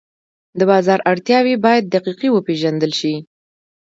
د بازار اړتیاوې باید دقیقې وپېژندل شي.